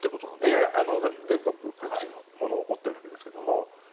いや、全国各地のものを持っているわけですが。